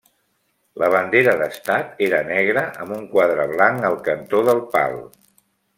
La bandera d'estat era negra amb un quadre blanc al cantó del pal.